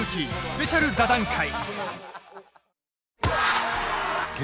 スペシャル座談会